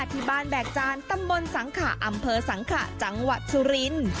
แบกจานตำบลสังขะอำเภอสังขะจังหวัดสุรินทร์